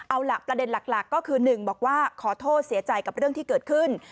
เอาล่ะประเด็นหลักก็คือ๑บอกว่าขอโทษเสียใจกับเรื่องที่เกิดขึ้น